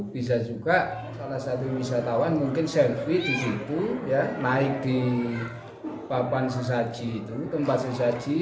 bisa juga salah satu wisatawan mungkin selfie di situ naik di papan sesaji itu tempat sesaji